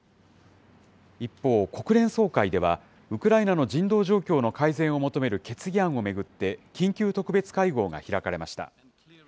一方、国連総会では、ウクライナの人道状況の改善を求める決議案を巡って、緊急特別会合が開かれました。